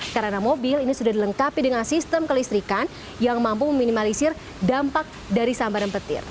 karena mobil ini sudah dilengkapi dengan sistem kelistrikan yang mampu meminimalisir dampak dari sambaran petir